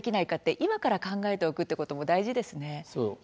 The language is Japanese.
今から考えておくことも大事ですね。